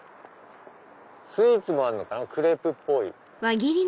スイーツもあるのかなクレープっぽい。